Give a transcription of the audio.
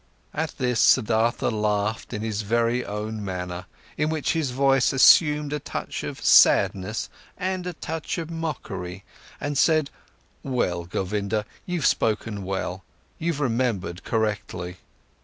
At this, Siddhartha laughed in his very own manner, in which his voice assumed a touch of sadness and a touch of mockery, and said: "Well, Govinda, you've spoken well, you've remembered correctly.